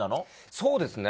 そうですね